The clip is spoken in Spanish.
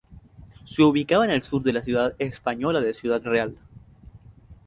Se ubicaba en el sur de la ciudad española de Ciudad Real.